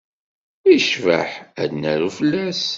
Yecbaḥ ad d-naru fell-as.